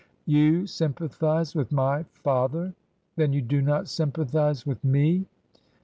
" You sympathize with my father ? Then you do not sympathize with me